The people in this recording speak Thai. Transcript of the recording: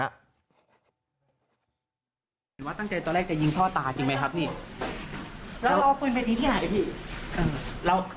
เห็นว่าตั้งใจตอนแรกจะยิงพ่อตาจริงไหมครับนี่แล้วเราเอาปืนไปทิ้งที่ไหนพี่